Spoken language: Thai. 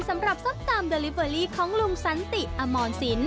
สำหรับส้มตำเดอลิเวอรี่ของลุงสันติอมรสิน